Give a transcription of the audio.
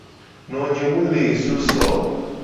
Nonye mu le so so o.